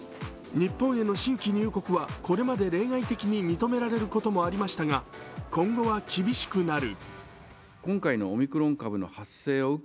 日本への新規入国はこれまで例外的に認められることもありましたが今後は厳しくなる。